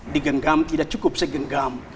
digenggam tidak cukup segenggam